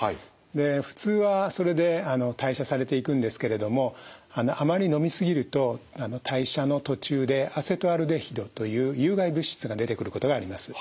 で普通はそれで代謝されていくんですけれどもあまり飲み過ぎると代謝の途中でアセトアルデヒドという有害物質が出てくることがあります。